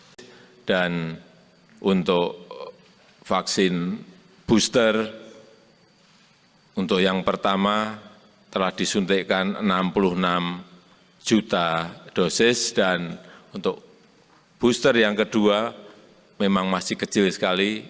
presiden jokowi mengatakan vaksin booster kedua telah disuntik enam puluh enam juta dosis dan booster kedua masih kecil sekali